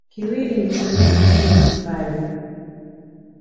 Kiwili ni msamiati mwingine wa Kipare